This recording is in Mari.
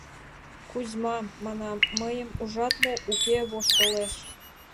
«Кузьма, — манам, — мыйым ужат мо?» «Уке», — воштылеш...